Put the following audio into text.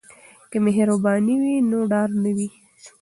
که مهرباني وي نو ډار نه وي.